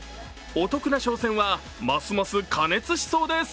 お得な商戦はますます過熱しそうです。